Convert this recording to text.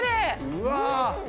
うわ！